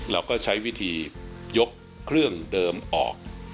เราก็ใช้วิธียกเครื่องเดิมออก